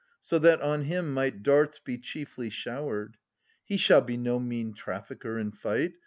So that on him might darts be chiefly showered. He shall be no mean trafficker in fight.